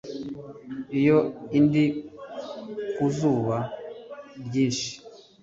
iyo ndi ku zuba ryinshi